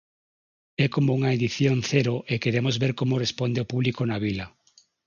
É como unha edición cero e queremos ver como responde o público na vila.